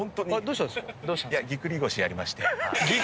ぎっくり腰やりまして。